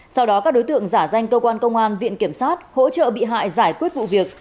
sau đó các đối tượng giả danh cơ quan công an viện kiểm sát hỗ trợ bị hại giải quyết vụ việc